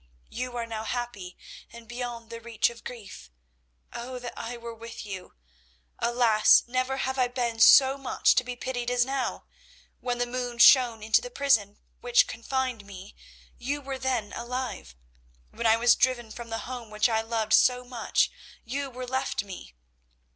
You are now happy, and beyond the reach of grief. Oh, that I were with you! Alas, never have I been so much to be pitied as now. When the moon shone into the prison which confined me you were then alive; when I was driven from the home which I loved so much you were left me.